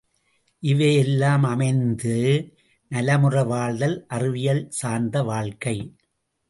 இவையெல்லாம் அமைந்து நலமுற வாழ்தல் அறிவியல் சார்ந்த வாழ்க்கை.